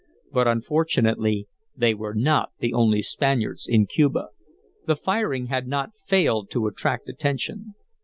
But unfortunately, they were not the only Spaniards in Cuba. The firing had not failed to attract attention.